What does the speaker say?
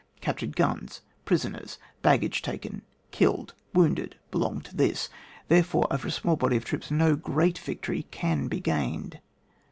Cap tured guns, prisoners, baggage taken, killed, wounded, belong to this. There fore, over a small body of troops no great victory can be gained.